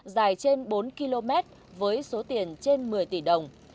dài trên bốn km với số tiền trên một mươi tỷ đồng